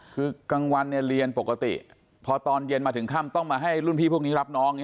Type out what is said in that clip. คือกลางวันเรียนปกติพอตอนเย็นมาถึงค่ำต้องมาให้รุ่นพี่พวกนี้รับน้อง